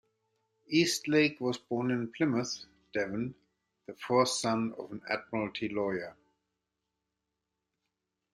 Eastlake was born in Plymouth, Devon, the fourth son of an Admiralty lawyer.